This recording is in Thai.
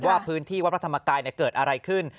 ว่าพื้นที่วัดพระธรรมกายเกิดอะไรขึ้น